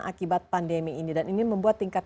akibat pandemi ini dan ini membuat tingkat